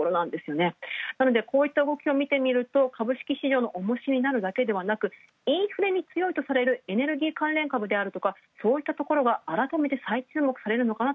なのでこういった動きを見ると、株式市場の重石になるだけではなく、インフレに強いとされるエネルギー関連株だとか、そういったところが改めて最注目。